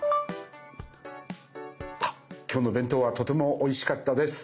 今日の弁当はとてもおいしかったです。